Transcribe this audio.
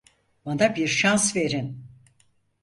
Bana bir şans verin.